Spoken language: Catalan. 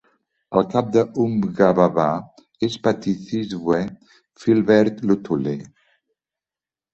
El cap de uMgababa és Phathisizwe Philbert Luthuli.